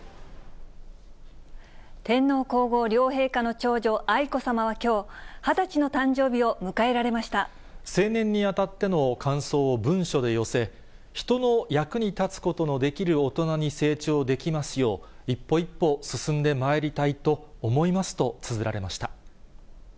天皇皇后両陛下の長女、愛子さまはきょう、成年に当たっての感想を文書で寄せ、人の役に立つことのできる大人に成長できますよう、一歩一歩進んでまいりたいと思いますとつづられました。